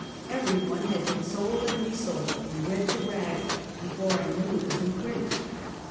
Eveiy one had been sold and resold, and read to rags, before I knew it was in print.